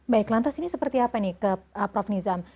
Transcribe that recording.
baik lantas ini seperti apa nih ke prof nizam